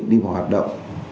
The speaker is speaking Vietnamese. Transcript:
đi vào hoạt động